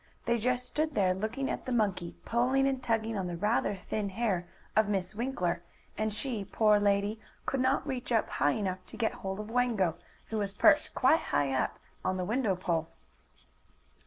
They just stood there, looking at the monkey pulling and tugging on the rather thin hair of Miss Winkler, and she, poor lady, could not reach up high enough to get hold of Wango, who was perched quite high up, on the window pole.